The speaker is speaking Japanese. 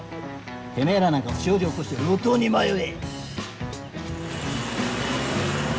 てめぇらなんか不祥事起こして路頭に迷え！